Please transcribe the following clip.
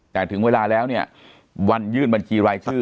แต่ถึงเวลาแล้วเนี่ยวันยื่นบัญชีรายชื่อ